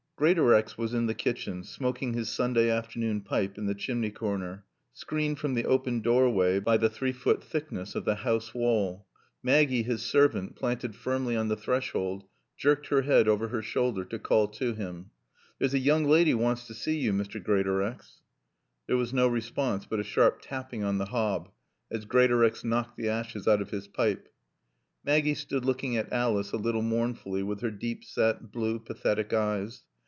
Greatorex was in the kitchen, smoking his Sunday afternoon pipe in the chimney corner, screened from the open doorway by the three foot thickness of the house wall. Maggie, his servant, planted firmly on the threshold, jerked her head over her shoulder to call to him. "There's a yoong laady wants to see yo, Mr. Greatorex!" There was no response but a sharp tapping on the hob, as Greatorex knocked the ashes out of his pipe. Maggie stood looking at Alice a little mournfully with her deep set, blue, pathetic eyes.